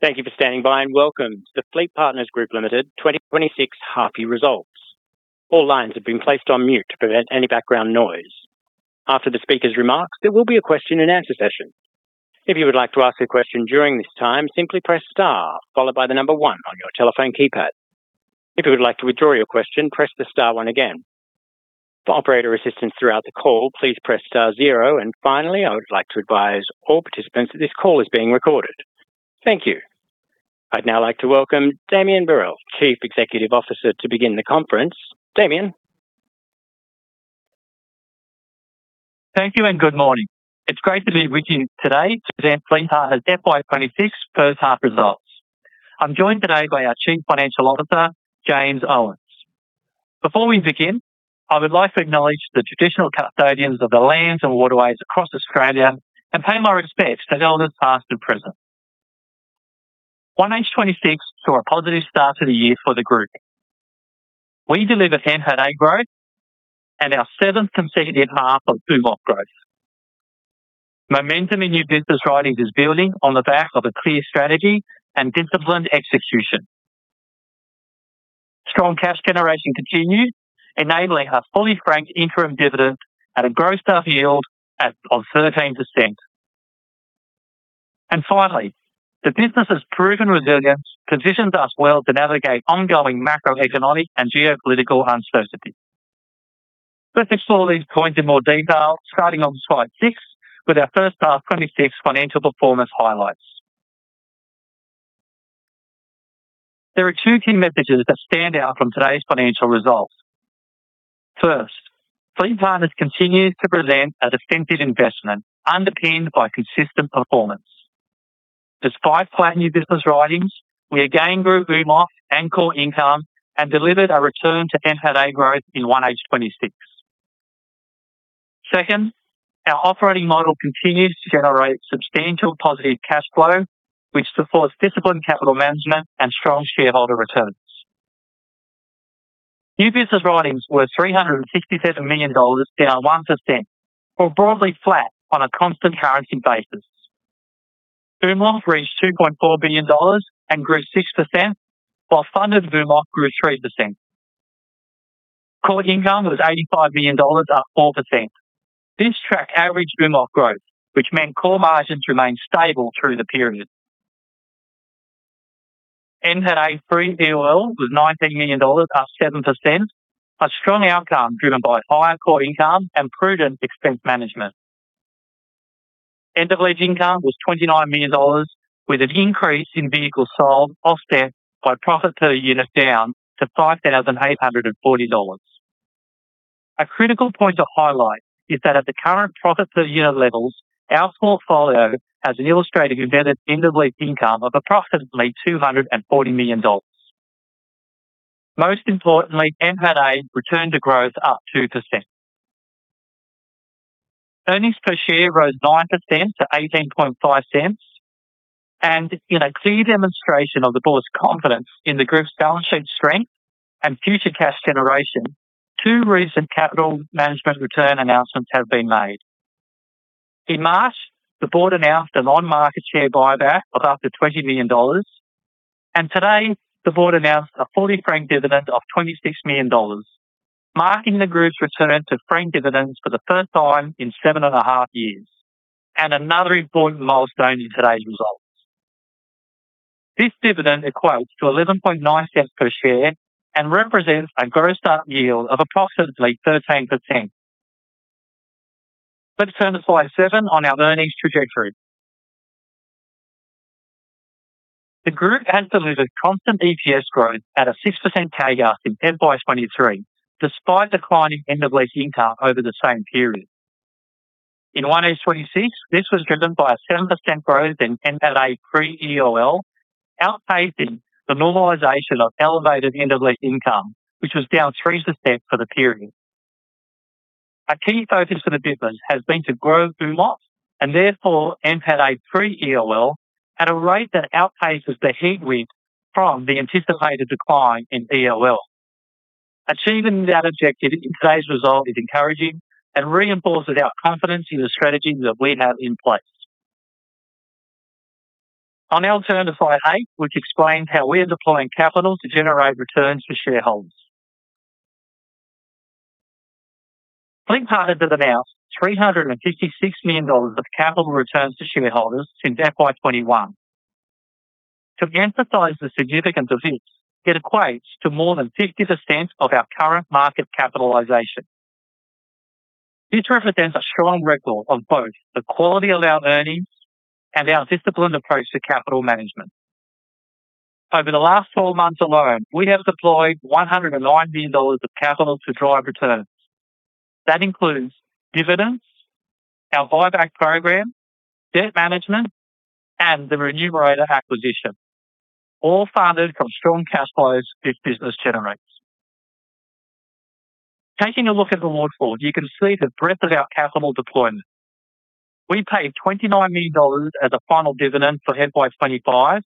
Thank you for standing by, and welcome to FleetPartners Group Limited 2026 half-year results. All lines have been placed on mute to prevent any background noise. After the speaker's remarks, there will be a question-and-answer session. If you would like to ask a question during this time, simply press star followed by the number one on your telephone keypad. If you would like to withdraw your question, press the star one again. For operator assistance throughout the call, please press the star zero. And finally, I would like to advice all participants that his call is being recorded. Thank you. I'd now like to welcome Damien Berrell, Chief Executive Officer, to begin the conference. Damien. Thank you and good morning. It's great to be with you today to present FleetPartners FY 2026 first half results. I'm joined today by our Chief Financial Officer, James Owens. Before we begin, I would like to acknowledge the traditional custodians of the lands and waterways across Australia, and pay my respects to Elders, past and present. 1H 2026 saw a positive start to the year for the group. We delivered NPATA growth and our seventh consecutive half of UMOF growth. Momentum in New Business Writings is building on the back of a clear strategy and disciplined execution. Strong cash generation continued, enabling a fully franked interim dividend at a gross profit yield of 13%. Finally, the business' proven resilience positions us well to navigate ongoing macroeconomic and geopolitical uncertainty. Let's explore these points in more detail, starting on slide six with our first half 2026 financial performance highlights. There are two key messages that stand out from today's financial results. First, FleetPartners continues to present a defensive investment underpinned by consistent performance. Despite flat New Business Writings, we again grew UMOF and core income and delivered a return to NPATA growth in 1H 2026. Second, our operating model continues to generate substantial positive cash flow, which supports disciplined capital management and strong shareholder returns. New Business Writings were 367 million dollars, down 1%, or broadly flat on a constant currency basis. UMOF reached 2.4 billion dollars and grew 6%, while funded UMOF grew 3%. Core income was 85 million dollars, up 4%. This tracked average UMOF growth, which meant core margins remained stable through the period. NPATA pre-EOL was AUD 19 million, up 7%, a strong outcome driven by higher core income and prudent expense management. End-of-lease income was 29 million dollars, with an increase in vehicles sold offset by profit per unit down to 5,840 dollars. A critical point to highlight is that at the current profits per unit levels, our portfolio has an illustrative embedded end-of-lease income of approximately 240 million dollars. Most importantly, NPATA returned to growth, up 2%. Earnings per share rose 9% to 0.185. In a clear demonstration of the board's confidence in the group's balance sheet strength and future cash generation, two recent capital management return announcements have been made. In March, the board announced an on-market share buyback of up to 20 million dollars. Today, the board announced a fully franked dividend of 26 million dollars, marking the Group's return to franked dividends for the first time in 7.5 years, and another important milestone in today's results. This dividend equates to 0.119 per share and represents a grossed up yield of approximately 13%. Let's turn to slide seven on our earnings trajectory. The Group has delivered constant EPS growth at a 6% CAGR since FY 2023, despite declining end-of-lease income over the same period. In 1H 2026, this was driven by a 7% growth in NPATA pre-EOL, outpacing the normalization of elevated end-of-lease income, which was down 3% for the period. Our key focus for the business has been to grow AUMOF and therefore NPATA pre-EOL at a rate that outpaces the headwind from the anticipated decline in EOL. Achieving that objective in today's result is encouraging and reinforces our confidence in the strategy that we have in place. I now turn to slide eight, which explains how we are deploying capital to generate returns for shareholders. FleetPartners announced 356 million dollars of capital returns to shareholders since FY 2021. To emphasize the significance of this, it equates to more than 50% of our current market capitalization. This represents a strong record of both the quality of our earnings and our disciplined approach to capital management. Over the last 12 months alone, we have deployed 109 million dollars of capital to drive returns. That includes dividends, our buyback program, debt management, and the Remunerator acquisition, all funded from strong cash flows this business generates. Taking a look at the waterfall, you can see the breadth of our capital deployment. We paid 29 million dollars as a final dividend for FY 2025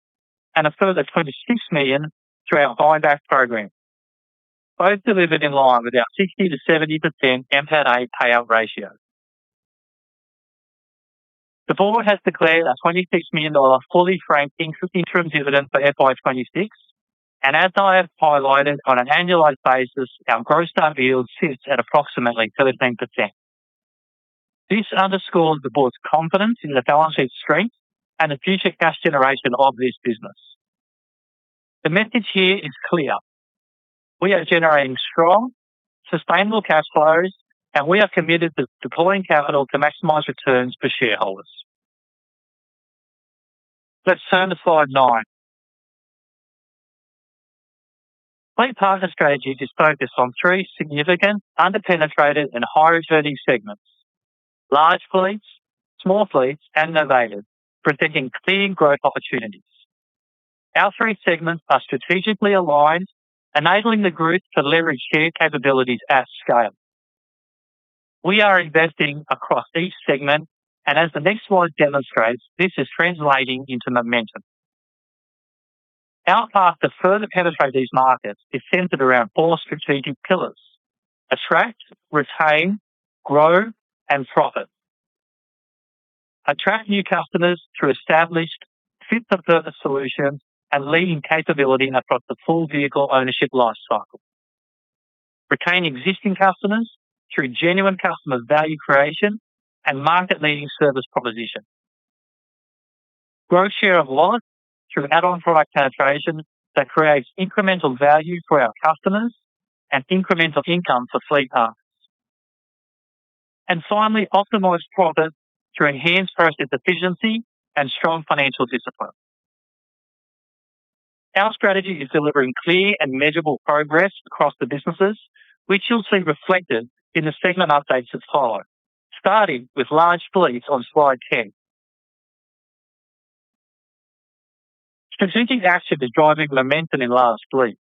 and a further 26 million through our buyback program, both delivered in line with our 60%-70% NPATA payout ratio. The board has declared a 26 million dollar fully franking interim dividend for FY 2026. As I have highlighted on an annualized basis, our grossed up yield sits at approximately 13%. This underscores the board's confidence in the balance sheet strength and the future cash generation of this business. The message here is clear. We are generating strong, sustainable cash flows, and we are committed to deploying capital to maximize returns for shareholders. Let's turn to slide nine. FleetPartners' strategy is focused on three significant under-penetrated and high-returning segments: large fleets, small fleets, and Novated, presenting clear growth opportunities. Our three segments are strategically aligned, enabling the group to leverage capabilities at scale. We are investing across each segment, and as the next slide demonstrates, this is translating into momentum. Our path to further penetrate these markets is centered around four strategic pillars: attract, retain, grow, and profit. Attract new customers through established fit-for-purpose solutions and leading capability across the full vehicle ownership lifecycle. Retain existing customers through genuine customer value creation and market-leading service proposition. Grow share of wallet through add-on product penetration that creates incremental value for our customers and incremental income for FleetPartners. Finally, optimize profit to enhance process efficiency and strong financial discipline. Our strategy is delivering clear and measurable progress across the businesses, which you'll see reflected in the segment updates that follow. Starting with large fleets on slide 10. Strategic action is driving momentum in large fleets.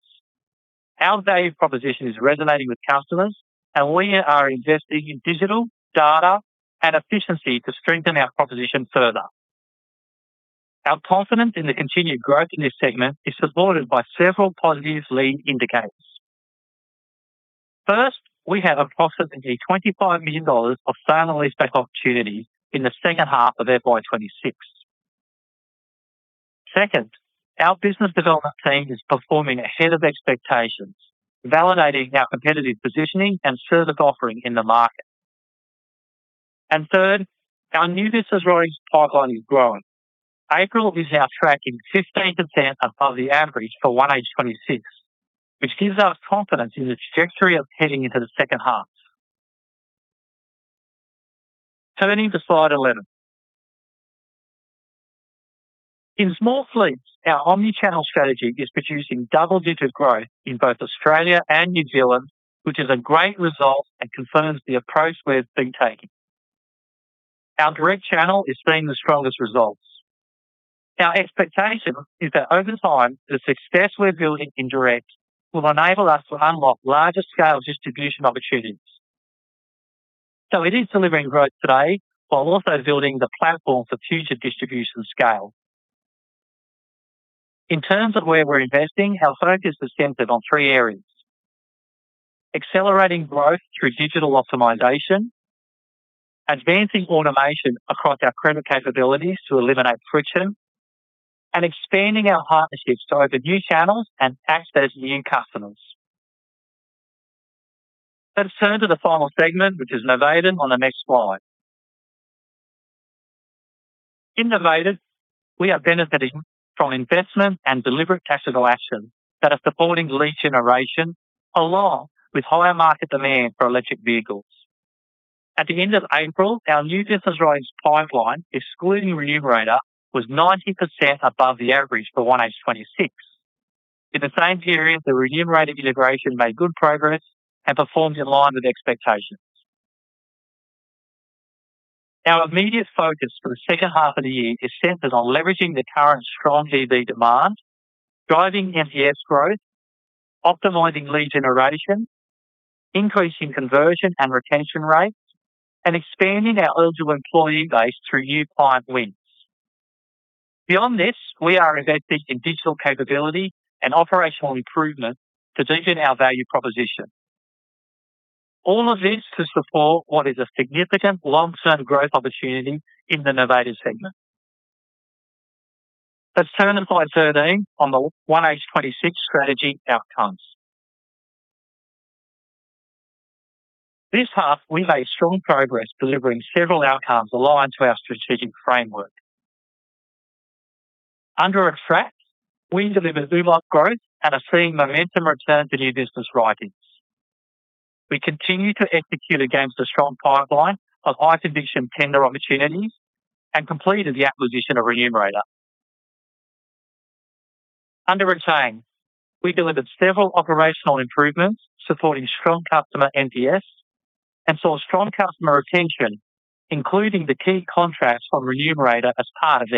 Our value proposition is resonating with customers, and we are investing in digital, data, and efficiency to strengthen our proposition further. Our confidence in the continued growth in this segment is supported by several positive lead indicators. First, we have approximately 25 million dollars of sale and leaseback opportunity in the second half of FY 2026. Second, our business development team is performing ahead of expectations, validating our competitive positioning and service offering in the market. Third, our New Business Writings pipeline is growing. April is now tracking 15% above the average for 1H 2026, which gives us confidence in the trajectory of heading into the second half. Turning to slide 11. In small fleets, our omni-channel strategy is producing double-digit growth in both Australia and New Zealand, which is a great result and confirms the approach we've been taking. Our direct channel is seeing the strongest results. Our expectation is that over time, the success we're building in direct will enable us to unlock larger scale distribution opportunities. It is delivering growth today while also building the platform for future distribution scale. In terms of where we're investing, our focus is centered on three areas. Accelerating growth through digital optimization, advancing automation across our credit capabilities to eliminate friction, and expanding our partnerships to open new channels and access new customers. Let's turn to the final segment, which is Novated on the next slide. In Novated, we are benefiting from investment and deliberate capital actions that are supporting lead generation along with higher market demand for electric vehicles. At the end of April, our New Business Writings pipeline, excluding Remunerator, was 90% above the average for 1H 2026. In the same period, the Remunerator integration made good progress and performed in line with expectations. Our immediate focus for the second half of the year is centered on leveraging the current strong EV demand, driving NPS growth, optimizing lead generation, increasing conversion and retention rates, and expanding our eligible employee base through new client wins. Beyond this, we are investing in digital capability and operational improvement to deepen our value proposition. All of this to support what is a significant long-term growth opportunity in the novated segment. Let's turn to slide 13 on the 1H 2026 strategy outcomes. This half we made strong progress delivering several outcomes aligned to our strategic framework. Under Attract, we delivered strong growth and are seeing momentum return to New Business Writings. We continue to execute against a strong pipeline of high conviction tender opportunities and completed the acquisition of Remunerator. Under Retain, we delivered several operational improvements supporting strong customer NPS and saw strong customer retention, including the key contracts from Remunerator as part of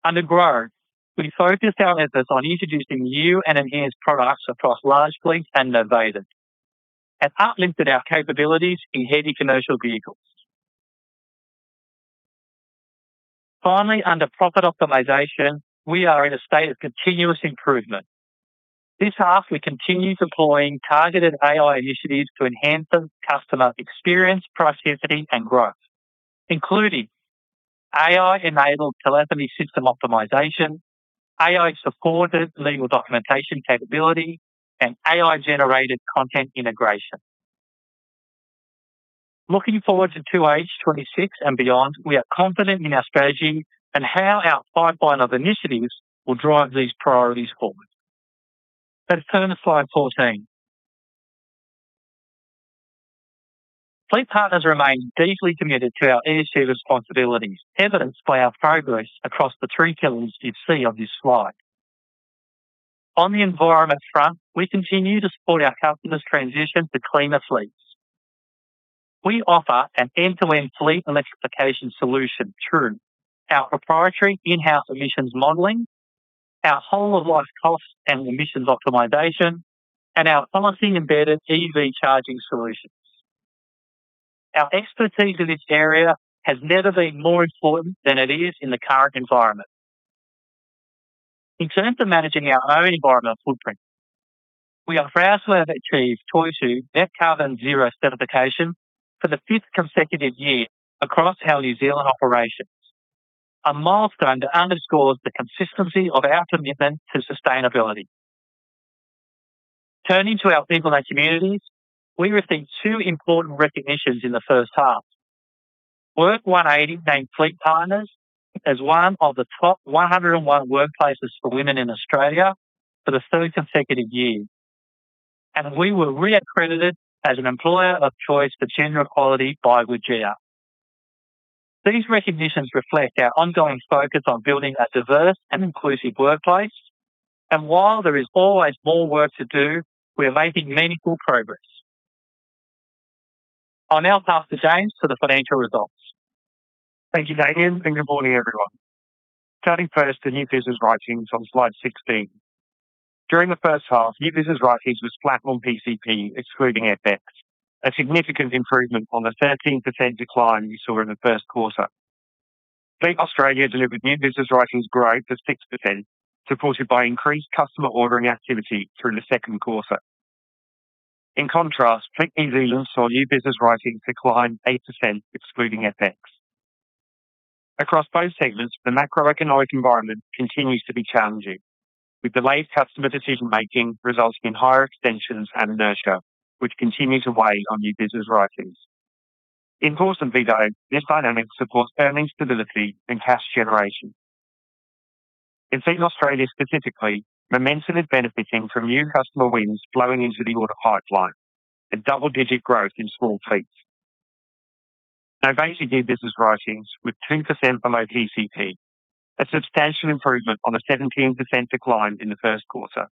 their integration. Under Grow, we focused our efforts on introducing new and enhanced products across large fleets and novated and uplifted our capabilities in heavy commercial vehicles. Finally, under profit optimization, we are in a state of continuous improvement. This half, we continue deploying targeted AI initiatives to enhance the customer experience, profitability, and growth, including AI-enabled telemetry system optimization, AI-supported legal documentation capability, and AI-generated content integration. Looking forward to 2H 2026 and beyond, we are confident in our strategy and how our pipeline of initiatives will drive these priorities forward. Let's turn to slide 14. FleetPartners remain deeply committed to our ESG responsibilities, evidenced by our progress across the three pillars you see on this slide. On the environment front, we continue to support our customers' transition to cleaner fleets. We offer an end-to-end fleet electrification solution through our proprietary in-house emissions modeling, our whole of life cost and emissions optimization, and our policy-embedded EV charging solutions. Our expertise in this area has never been more important than it is in the current environment. In terms of managing our own environmental footprint, we are proud to have achieved Toitū Net Carbon Zero certification for the fifth consecutive year across our New Zealand operations, a milestone that underscores the consistency of our commitment to sustainability. Turning to our people and communities, we received two important recognitions in the first half. WORK180 named FleetPartners as one of the top 101 workplaces for women in Australia for the third consecutive year. We were re-accredited as an employer of choice for gender equality by WGEA. These recognitions reflect our ongoing focus on building a diverse and inclusive workplace, and while there is always more work to do, we are making meaningful progress. I'll now pass to James for the financial results. Thank you, Damien, and good morning, everyone. Turning first to New Business Writings on slide 16. During the first half, New Business Writings was flat on PCP, excluding FX, a significant improvement on the 13% decline we saw in the first quarter. Fleet Australia delivered New Business Writings growth of 6%, supported by increased customer ordering activity through the second quarter. In contrast, Fleet New Zealand saw New Business Writings decline 8% excluding FX. Across both segments, the macroeconomic environment continues to be challenging, with delayed customer decision-making resulting in higher extensions and inertia, which continue to weigh on New Business Writings. In course, indeed, though, this dynamic supports earnings stability and cash generation. In Fleet Australia specifically, momentum is benefiting from new customer wins flowing into the order pipeline and double-digit growth in small fleets. Novated New Business Writings with 2% below PCP, a substantial improvement on the 17% decline in the first quarter.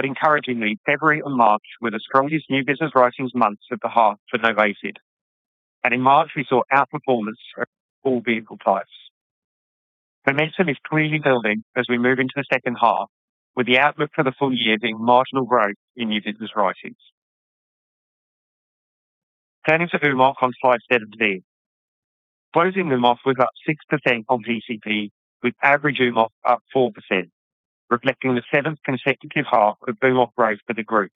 Encouragingly, February and March were the strongest New Business Writings months of the half for novated. In March, we saw outperformance across all vehicle types. Momentum is clearly building as we move into the second half, with the outlook for the full year being marginal growth in New Business Writings. Turning to UMOF on slide 17. Closing UMOF was up 6% on PCP with average UMOF up 4%, reflecting the seventh consecutive half of UMOF growth for the Group.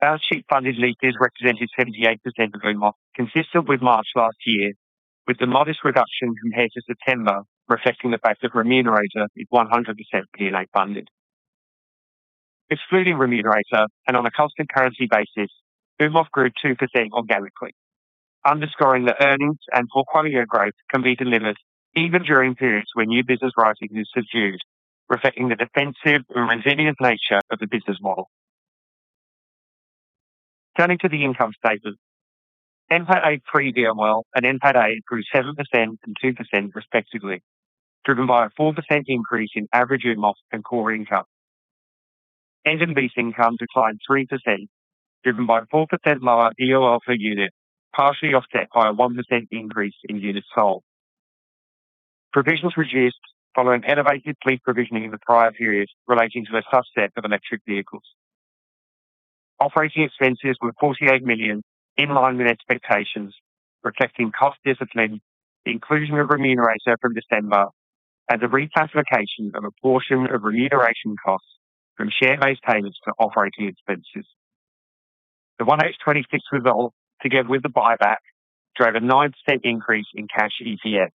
Balance sheet funded leases represented 78% of UMOF, consistent with March last year, with the modest reduction compared to September reflecting the fact that Remunerator is 100% P&A funded. Excluding Remunerator and on a constant currency basis, UMOF grew 2% organically, underscoring that earnings and portfolio growth can be delivered even during periods where new business writing is subdued, reflecting the defensive and resilient nature of the business model. Turning to the income statement. NPATA pre-BML and NPATA grew 7% and 2% respectively, driven by a 4% increase in average UMOF and core income. End of lease income declined 3%, driven by 4% lower EOL per unit, partially offset by a 1% increase in units sold. Provisions reduced following elevated fleet provisioning in the prior period relating to a subset of electric vehicles. Operating expenses were 48 million, in line with expectations, reflecting cost discipline, the inclusion of Remunerator from December, and the reclassification of a portion of remuneration costs from share-based payments to operating expenses. The 1H 2026 result, together with the buyback, drove a 9% increase in cash EPS.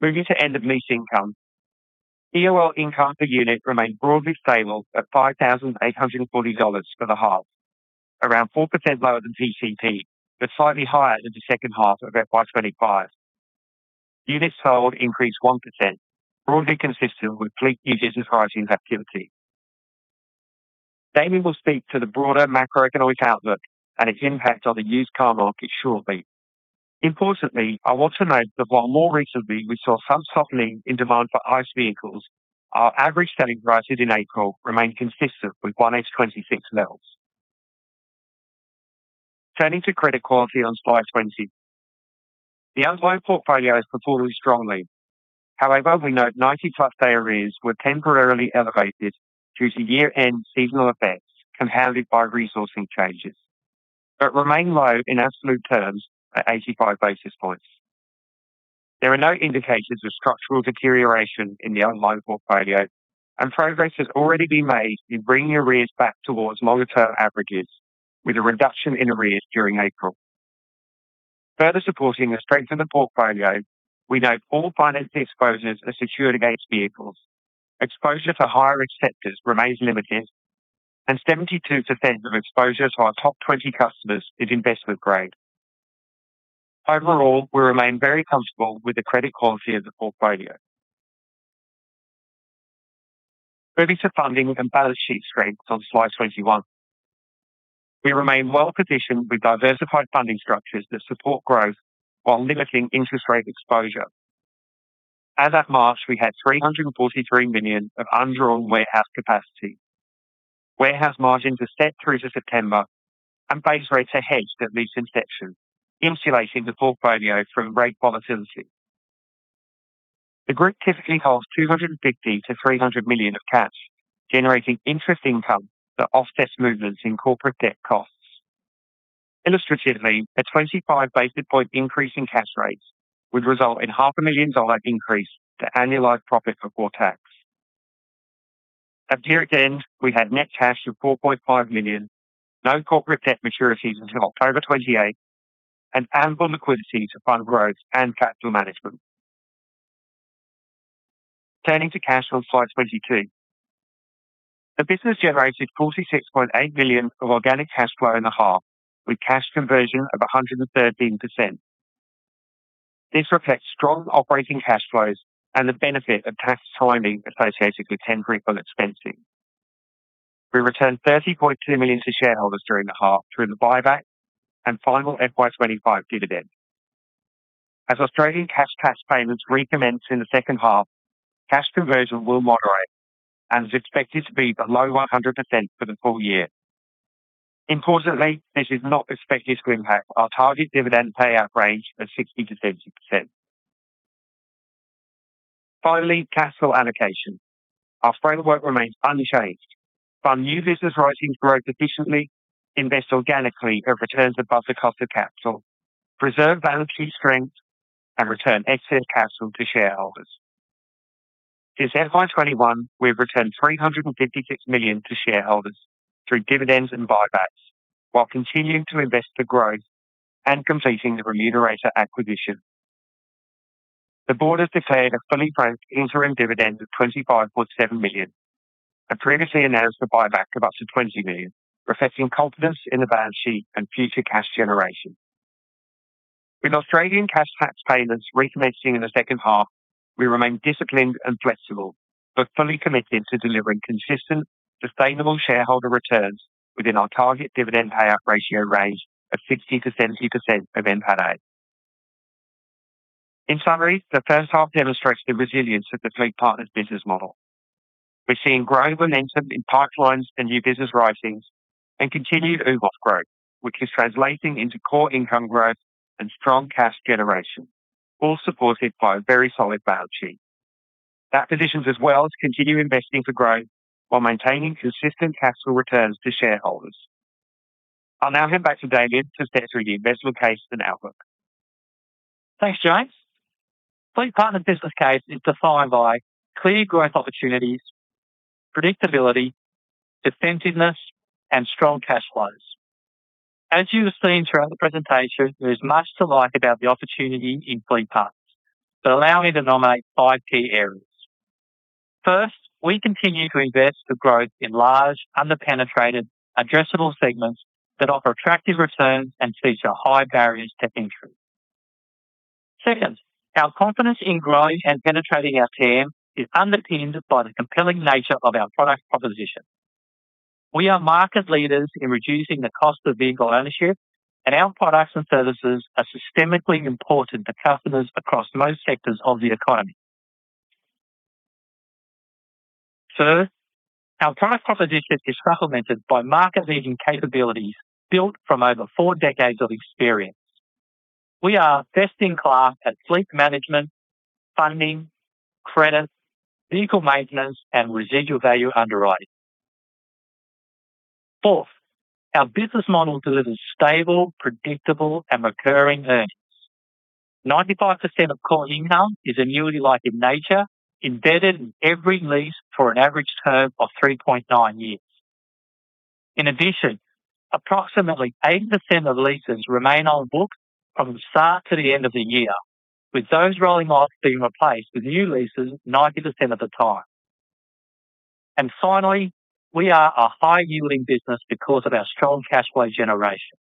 Moving to end of lease income. EOL income per unit remained broadly stable at 5,840 dollars for the half, around 4% lower than PCP, but slightly higher than the second half of FY 2025. Units sold increased 1%, broadly consistent with fleet New Business Writings activity. Damien will speak to the broader macroeconomic outlook and its impact on the used car market shortly. Importantly, I want to note that while more recently we saw some softening in demand for ICE vehicles, our average selling prices in April remained consistent with 1H 2026 levels. Turning to credit quality on slide 20. The underlying portfolio is performing strongly. However, we note 90+ day arrears were temporarily elevated due to year-end seasonal effects compounded by resourcing changes, but remain low in absolute terms at 85 basis points. There are no indications of structural deterioration in the underlying portfolio and progress has already been made in bringing arrears back towards longer-term averages with a reduction in arrears during April. Further supporting the strength of the portfolio, we note all financing exposures are secured against vehicles. Exposure to higher risk sectors remains limited and 72% of exposure to our top 20 customers is investment grade. Overall, we remain very comfortable with the credit quality of the portfolio. Moving to funding and balance sheet strengths on slide 21. We remain well positioned with diversified funding structures that support growth while limiting interest rate exposure. As at March, we had 343 million of undrawn warehouse capacity. Warehouse margins are set through to September and base rates are hedged at lease inception, insulating the portfolio from rate volatility. The group typically holds 250 million to 300 million of cash, generating interest income that offsets movements in corporate debt costs. Illustratively, a 25 basis points increase in cash rates would result in half a million dollar increase to annualized profit before tax. At year end, we had net cash of 4.5 million, no corporate debt maturities until October 2028, and ample liquidity to fund growth and capital management. Turning to cash on slide 22. The business generated 46.8 million of organic cash flow in the half, with cash conversion of 113%. This reflects strong operating cash flows and the benefit of tax timing associated with temporary full expensing. We returned 30.2 million to shareholders during the half through the buyback and final FY 2025 dividend. As Australian cash tax payments recommence in the second half, cash conversion will moderate and is expected to be below 100% for the full year. Importantly, this is not expected to impact our target dividend payout range of 60%-70%. Finally, capital allocation. Our framework remains unchanged. Fund New Business Writings growth efficiently, invest organically that returns above the cost of capital, preserve balance sheet strength, and return excess capital to shareholders. Since FY 2021, we have returned 356 million to shareholders through dividends and buybacks while continuing to invest for growth and completing the Remunerator acquisition. The board has declared a fully franked interim dividend of 25.7 million, and previously announced a buyback of up to 20 million, reflecting confidence in the balance sheet and future cash generation. With Australian cash tax payments recommencing in the second half, we remain disciplined and flexible, but fully committed to delivering consistent, sustainable shareholder returns within our target dividend payout ratio range of 60%-70% of NPAT. In summary, the first half demonstrates the resilience of the FleetPartners business model. We're seeing growing momentum in pipelines and New Business Writings and continued UOS growth, which is translating into core income growth and strong cash generation, all supported by a very solid balance sheet. That positions us well to continue investing for growth while maintaining consistent capital returns to shareholders. I'll now hand back to Damien to take through the investment case and outlook. Thanks, James. FleetPartners business case is defined by clear growth opportunities, predictability, defensiveness, and strong cash flows. As you have seen throughout the presentation, there is much to like about the opportunity in FleetPartners, but allow me to nominate five key areas. First, we continue to invest for growth in large, under-penetrated, addressable segments that offer attractive returns and feature high barriers to entry. Second, our confidence in growing and penetrating our TAM is underpinned by the compelling nature of our product proposition. We are market leaders in reducing the cost of vehicle ownership, and our products and services are systemically important to customers across most sectors of the economy. Third, our product proposition is supplemented by market-leading capabilities built from over four decades of experience. We are best in class at fleet management, funding, credit, vehicle maintenance, and residual value underwriting. Fourth, our business model delivers stable, predictable, and recurring earnings. 95% of core income is annuity-like in nature, embedded in every lease for an average term of 3.9 years. In addition, approximately 80% of leases remain on books from the start to the end of the year, with those rolling offs being replaced with new leases 90% of the time. Finally, we are a high-yielding business because of our strong cash flow generation,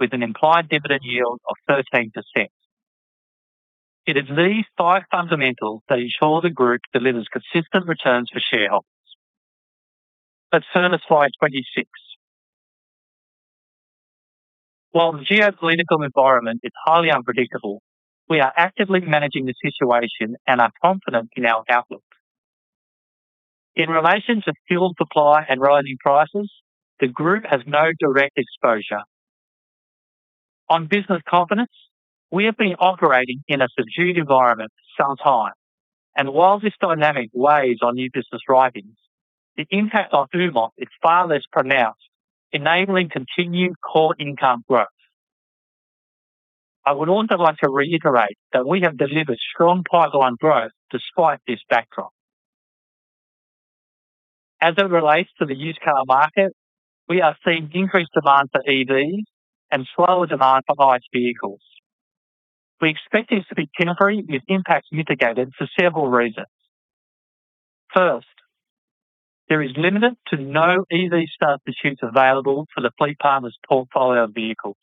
with an implied dividend yield of 13%. It is these five fundamentals that ensure the group delivers consistent returns for shareholders. Let's turn to slide 26. While the geopolitical environment is highly unpredictable, we are actively managing the situation and are confident in our outlook. In relation to fuel supply and rising prices, the group has no direct exposure. On business confidence, we have been operating in a subdued environment for some time, and while this dynamic weighs on New Business Writings, the impact on UMOF is far less pronounced, enabling continued core income growth. I would also like to reiterate that we have delivered strong pipeline growth despite this backdrop. As it relates to the used car market, we are seeing increased demand for EVs and slower demand for ICE vehicles. We expect this to be temporary with impact mitigated for several reasons. First, there is limited to no EV stock pursuits available for the FleetPartners portfolio of vehicles.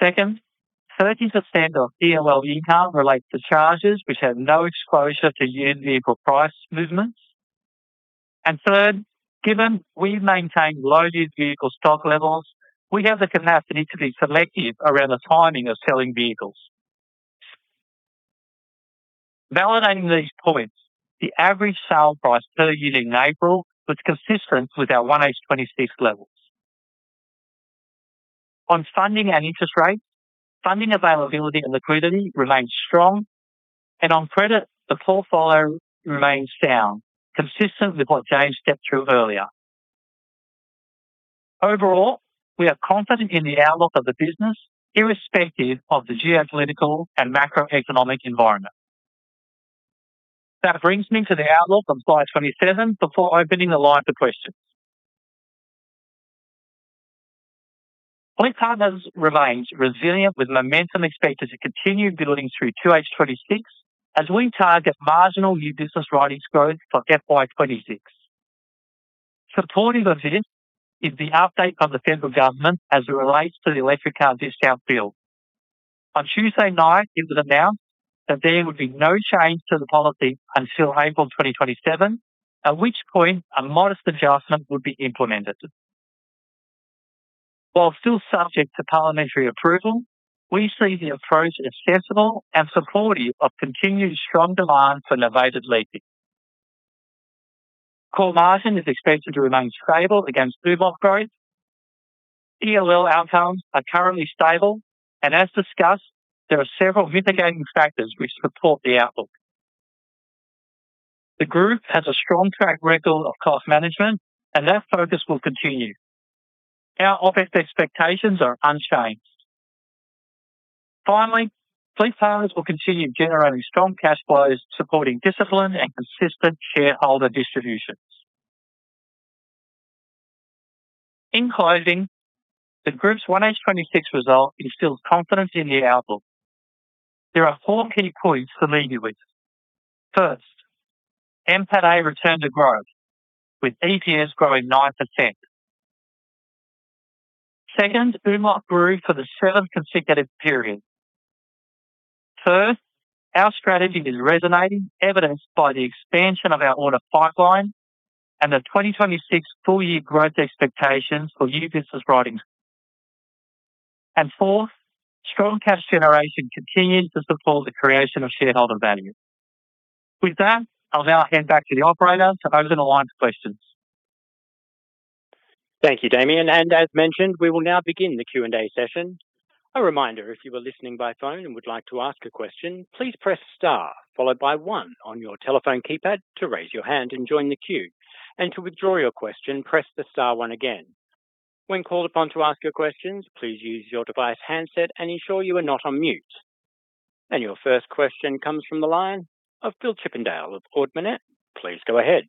Second, 30% of EOL income relates to charges which have no exposure to used vehicle price movements. Third, given we maintain low used vehicle stock levels, we have the capacity to be selective around the timing of selling vehicles. Validating these points, the average sale price per unit in April was consistent with our 1H 2026 levels. On funding and interest rates, funding availability and liquidity remains strong, and on credit, the portfolio remains sound, consistent with what James stepped through earlier. Overall, we are confident in the outlook of the business, irrespective of the geopolitical and macroeconomic environment. That brings me to the outlook on slide 27 before opening the line to questions. FleetPartners remains resilient with momentum expected to continue building through 2H 2026 as we target marginal New Business Writings growth for FY 2026. Supportive of this is the update from the federal government as it relates to the Electric Car Discount Bill. On Tuesday night, it was announced that there would be no change to the policy until April 2027, at which point a modest adjustment would be implemented. While still subject to parliamentary approval, we see the approach as sensible and supportive of continued strong demand for novated leasing. Core margin is expected to remain stable against UMOF growth. EOL outcomes are currently stable, and as discussed, there are several mitigating factors which support the outlook. The group has a strong track record of cost management, and that focus will continue. Our OpEx expectations are unchanged. FleetPartners will continue generating strong cash flows, supporting discipline and consistent shareholder distributions. In closing, the group's 1H 2026 result instills confidence in the outlook. There are four key points to leave you with. First, NPATA returned to growth, with EPS growing 9%. Second, UMOF grew for the seventh consecutive period. Third, our strategy is resonating, evidenced by the expansion of our order pipeline and the 2026 full-year growth expectations for New Business Writings. Fourth, strong cash generation continues to support the creation of shareholder value. With that, I'll now hand back to the operator to open the line for questions. Thank you, Damien, and as mentioned, we will now begin the Q&A session. A reminder, if you are listening by phone and would like to ask a question, please press star followed by one on your telephone keypad to raise your hand and join the queue. And to withdraw your question, press the star one again. When called upon to ask your questions, please use your device handset and ensure you are not on mute. And your first question comes from the line of Phil Chippendale of Ord Minnett. Please go ahead.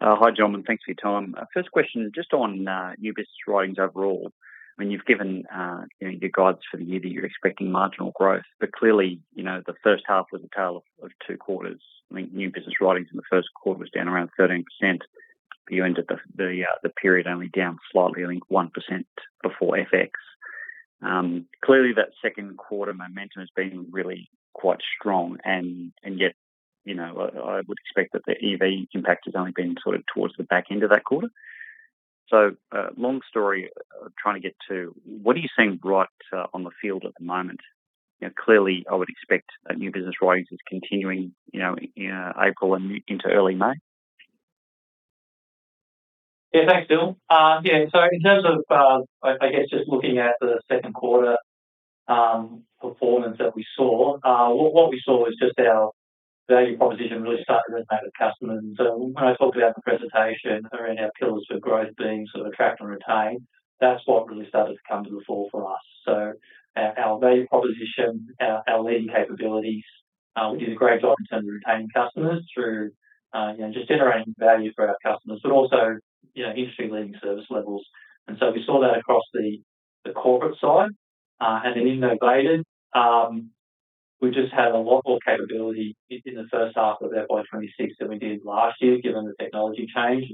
Hi, gentlemen. Thanks for your time. First question, just on New Business Writings overall. I mean, you've given, you know, your guides for the year that you're expecting marginal growth, but clearly, you know, the first half was a tale of two quarters. I mean, New Business Writings in the first quarter was down around 13%. You ended the period only down slightly, I think 1% before FX. Clearly that second quarter momentum has been really quite strong and yet, you know, I would expect that the EV impact has only been sort of towards the back end of that quarter. Long story, trying to get to, what are you seeing right on the field at the moment? You know, clearly, I would expect that New Business Writings is continuing, you know, in April and into early May. Yeah. Thanks, Phil. I guess just looking at the second quarter performance that we saw, what we saw was just our value proposition really started resonating with customers. When I talked about the presentation around our pillars for growth being sort of attract and retain, that's what really started to come to the fore for us. Our value proposition, our leading capabilities, we did a great job in terms of retaining customers through, you know, just generating value for our customers, but also, you know, industry-leading service levels. We saw that across the corporate side, and then in novated, we just had a lot more capability in the first half of FY 2026 than we did last year, given the technology change.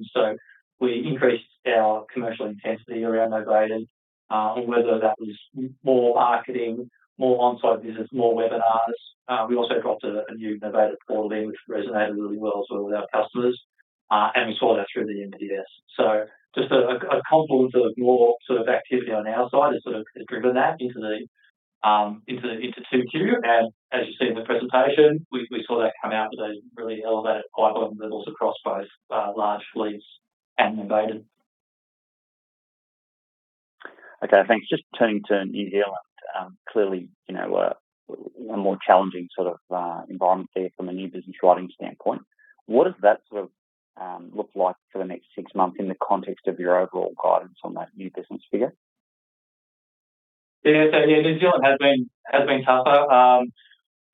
We increased our commercial intensity around novated, on whether that was more marketing, more on-site visits, more webinars. We also dropped a new novated portal in, which resonated really well sort of with our customers. We saw that through the NBW. Just a confluence of more sort of activity on our side has sort of driven that into the 2Q. As you see in the presentation, we saw that come out with really elevated pipeline levels across both large fleets and Novated. Okay, thanks. Just turning to New Zealand, clearly, you know, a more challenging sort of environment there from a new business writing standpoint. What does that sort of look like for the next six months in the context of your overall guidance on that new business figure? New Zealand has been tougher.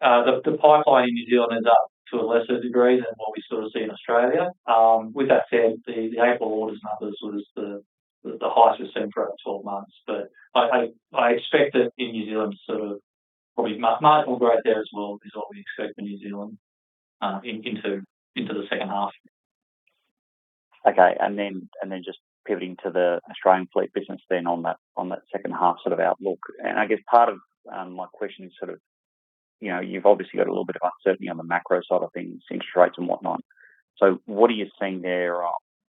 The pipeline in New Zealand is up to a lesser degree than what we sort of see in Australia. With that said, the April orders numbers was the highest we've seen for about 12 months. I expect that in New Zealand to sort of probably marginal growth there as well, is what we expect for New Zealand into the second half. Okay. Then just pivoting to the Australian Fleet business then on that second half sort of outlook. I guess part of my question is sort of, you know, you've obviously got a little bit of uncertainty on the macro side of things, interest rates and whatnot. What are you seeing there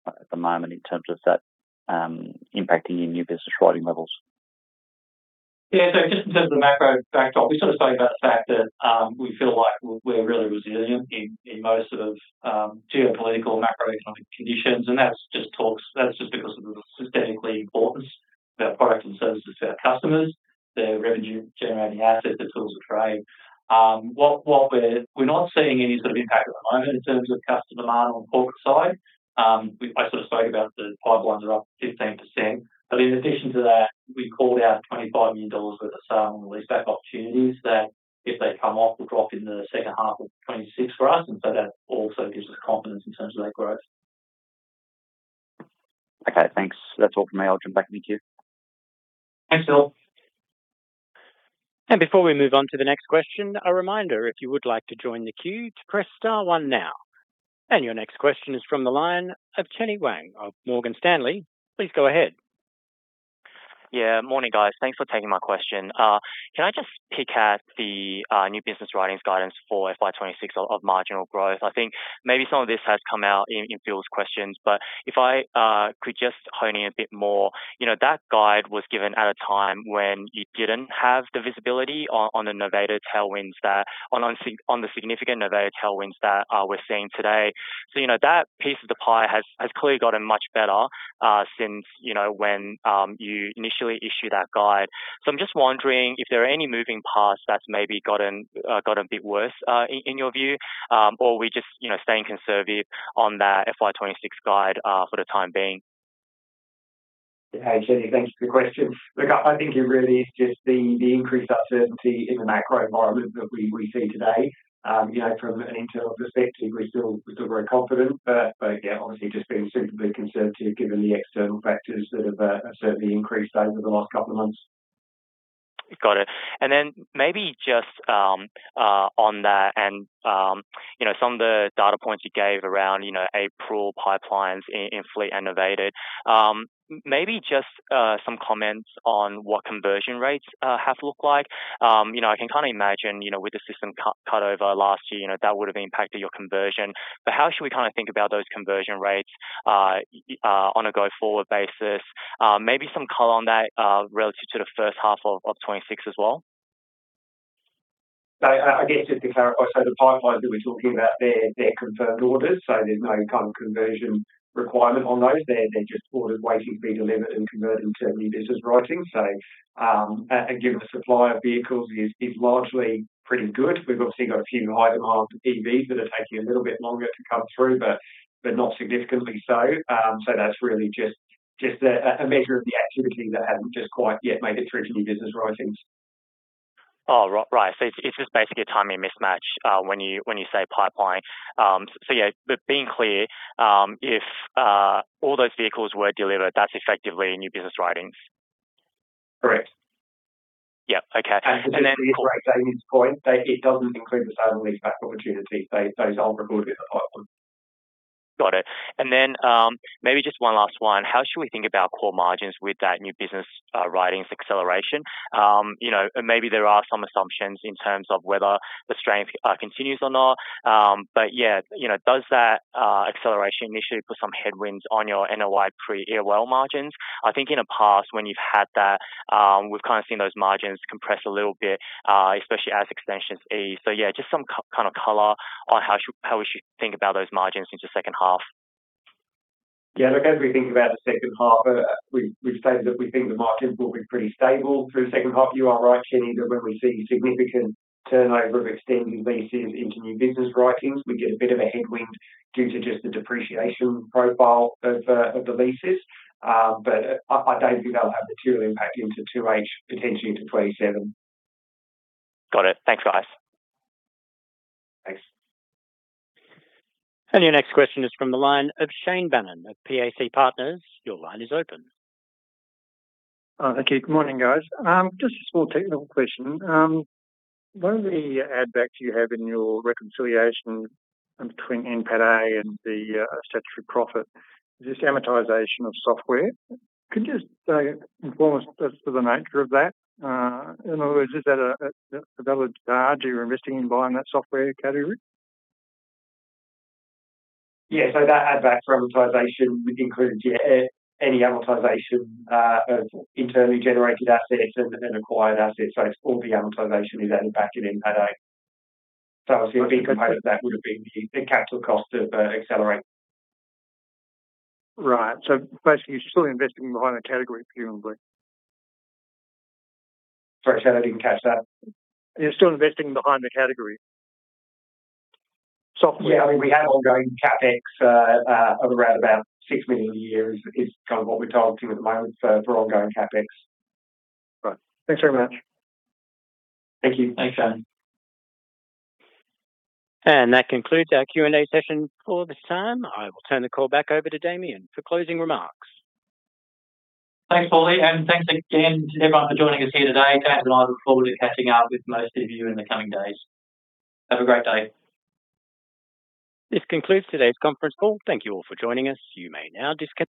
at the moment in terms of that impacting your New Business Writing levels? Yeah. Just in terms of the macro backdrop, we sort of spoke about the fact that we feel like we're really resilient in most sort of, geopolitical macroeconomic conditions. That's just because of the systemic importance of our products and services to our customers, their revenue generating assets, their tools of trade. We're not seeing any sort of impact at the moment in terms of customer demand on corporate side. I sort of spoke about the pipelines are up 15%. In addition to that, we called out 25 million dollars worth of sale and leaseback opportunities that if they come off, will drop in the second half of 2026 for us. That also gives us confidence in terms of that growth. Okay, thanks. That's all from me. I'll jump back in the queue. Thanks, Phil. Before we move on to the next question, a reminder, if you would like to join the queue, to press star one now. Your next question is from the line of Chenny Wang of Morgan Stanley. Please go ahead. Yeah. Morning, guys. Thanks for taking my question. Can I just pick at the New Business Writings guidance for FY 2026 of marginal growth? I think maybe some of this has come out in Phil's questions, but if I could just hone in a bit more. You know, that guide was given at a time when you didn't have the visibility on the significant novated tailwinds that we're seeing today. You know, that piece of the pie has clearly gotten much better since, you know, when you initially issued that guide. I'm just wondering if there are any moving parts that's maybe got a bit worse in your view, or are we just, you know, staying conservative on that FY 2026 guide for the time being? Hey, Chenny, thanks for the question. Look, I think it really is just the increased uncertainty in the macro environment that we see today. You know, from an internal perspective, we're still very confident. Yeah, obviously just being suitably conservative given the external factors that have certainly increased over the last couple of months. Got it. Maybe just on that and, you know, some of the data points you gave around, you know, April pipelines in fleet and Novated. Maybe just some comments on what conversion rates have looked like. You know, I can kind of imagine, you know, with the system cut over last year, you know, that would have impacted your conversion. How should we kind of think about those conversion rates on a go-forward basis? Maybe some color on that relative to the first half of 2026 as well. I guess just to clarify, so the pipelines that we're talking about, they're confirmed orders, so there's no kind of conversion requirement on those. They're just orders waiting to be delivered and converted into New Business Writings. Given the supply of vehicles is largely pretty good. We've obviously got a few high demand EVs that are taking a little bit longer to come through, but not significantly so. That's really just a measure of the activity that hasn't quite yet made it through to New Business Writings. Right. It's just basically a timing mismatch, when you say pipeline. Being clear, if all those vehicles were delivered, that's effectively New Business Writings. Correct. Yeah. Okay. Just to reiterate Damien's point, it doesn't include the sale and leaseback opportunity. It's all included in the pipeline. Got it. Maybe just one last one. How should we think about core margins with that New Business Writings acceleration? You know, and maybe there are some assumptions in terms of whether the strength continues or not. You know, does that acceleration initially put some headwinds on your NOI pre-EOL margins? I think in the past when you've had that, we've kind of seen those margins compress a little bit, especially as extensions ease. Just some kind of color on how should, how we should think about those margins into second half. Yeah, look, as we think about the second half, we've stated that we think the margins will be pretty stable through the second half. You are right, Chenny, that when we see significant turnover of extending leases into New Business Writings, we get a bit of a headwind due to just the depreciation profile of the leases. I don't think that'll have material impact into 2H, potentially into 2027. Got it. Thanks, guys. Thanks. Your next question is from the line of Shane Bannan of PAC Partners. Your line is open. Thank you. Morning, guys. Just a small technical question. One of the add backs you have in your reconciliation between NPATA and the statutory profit, is this amortization of software. Can you just inform us as to the nature of that? In other words, is that a valid charge you're investing in buying that software category? Yeah. That add back for amortization includes any amortization of internally generated assets and acquired assets. It's all the amortization is added back in NPATA. Obviously, a big component of that would have been the capital cost of Accelerate. Right. Basically, you're still investing behind the category, presumably. Sorry, Shane, I didn't catch that. You're still investing behind the category. Software. Yeah. I mean, we have ongoing CapEx of around 6 million a year is kind of what we're targeting at the moment for ongoing CapEx. Right. Thanks very much. Thank you. Thanks, Shane. That concludes our Q&A session for this time. I will turn the call back over to Damien for closing remarks. Thanks, Paulie, and thanks again to everyone for joining us here today. I look forward to catching up with most of you in the coming days. Have a great day. This concludes today's conference call. Thank you all for joining us. You may now disconnect.